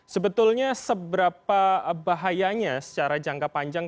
sebetulnya seberapa bahayanya secara jangka panjang